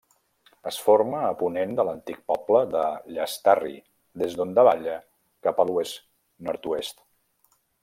Es forma a ponent de l'antic poble de Llastarri, des d'on davalla cap a l'oest-nord-oest.